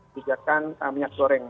kebijakan minyak goreng